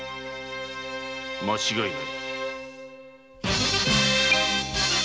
間違いない。